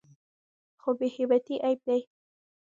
خو بې همتي عیب دی.